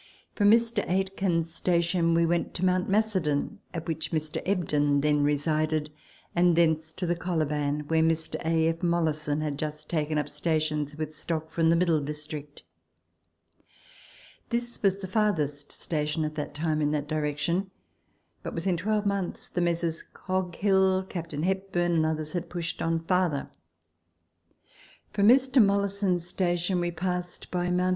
From Mr. Aitken's station we went to Mount Macedon, at which Mr. Ebden then resided, and thence to the Coliban, where Mr. A. F. Mollison had jnst taken up stations, with stock from the Middle District. This was the farthest station at that time in that direction; but within twelvemonths the Messrs. Coghill, Captain Hepburn, and others had pushed on farther. From Mr. Mollison's station we passed by Mt.